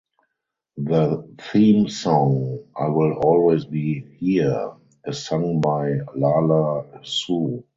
The theme song "I Will Always Be Here" is sung by Lala Hsu.